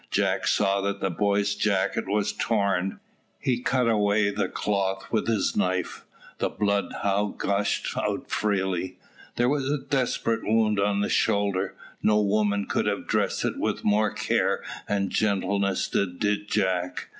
Jack saw that the boy's jacket was torn. He cut away the cloth with his knife; the blood how gushed out freely; there was a desperate wound on the shoulder. No woman could have dressed it with more care and gentleness than did Jack.